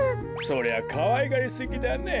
そりゃかわいがりすぎだね。